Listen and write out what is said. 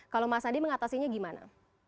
kalau mas andi mengatasinya gimana